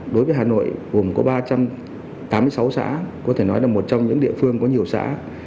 đối với hà nội gồm có ba trăm tám mươi sáu xã có thể nói là một trong những địa phương có nhiều xã